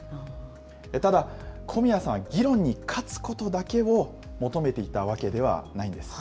ただ、小宮さんは議論に勝つことだけを求めていたわけではないんです。